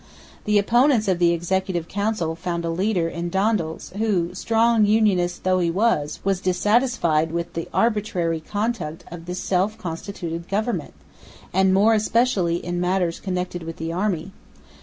The opponents of the Executive Council found a leader in Daendels, who, strong "unionist" though he was, was dissatisfied with the arbitrary conduct of this self constituted government, and more especially in matters connected with the army.